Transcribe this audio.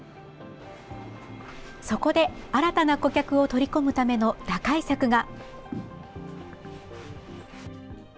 そこで新たな顧客を取り込むための打開策が。